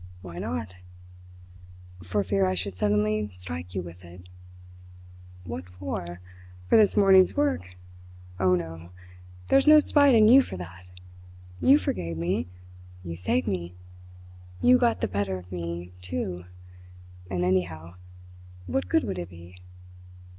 "Why not?" "For fear I should suddenly strike you with it." "What for? For this morning's work? Oh, no! There's no spite in you for that. You forgave me. You saved me. You got the better of me, too. And anyhow, what good would it be?"